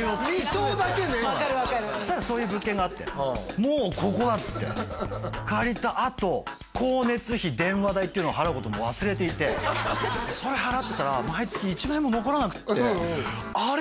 そうなんですそしたらそういう物件があってもう「ここだ！」っつって借りたあと光熱費電話代っていうのを払うことも忘れていてそれ払ったら毎月１万円も残らなくってあれ？